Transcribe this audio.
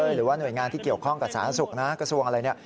หรือว่าหน่วยงานที่เกี่ยวข้องกับสาธารณสุขนะกระทรวงอะไรเนี่ย